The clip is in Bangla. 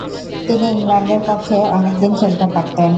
তিনি ইংল্যান্ডের পক্ষে অনেকদিন খেলতে পারতেন।